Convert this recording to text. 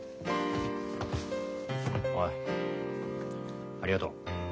おいありがとう。